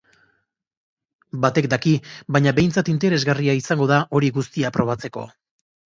Batek daki, baina behintzat interesgarria izango da hori guztia probatzeko.